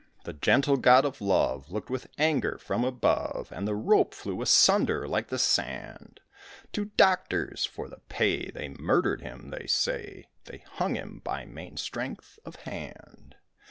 The gentle god of Love looked with anger from above And the rope flew asunder like the sand. Two doctors for the pay they murdered him, they say, They hung him by main strength of hand.